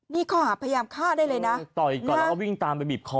นี่ข้อหาพยายามฆ่าได้เลยนะต่อยก่อนแล้วก็วิ่งตามไปบีบคอ